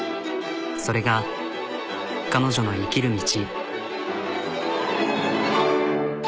それが彼女の生きる道。